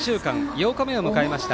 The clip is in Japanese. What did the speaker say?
８日目を迎えました。